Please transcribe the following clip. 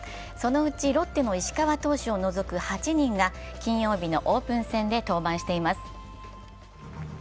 そのうちロッテの石川投手を除く８人が金曜日のオープン戦で登板しています。